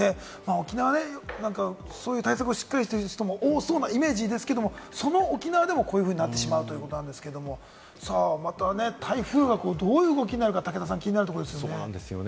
沖縄はそういう対策をしっかりしてる方も多いイメージですけれども、その沖縄でもこうなってしまうということですけれども、台風がどういう動きになるのか気になるところですね、武田さん。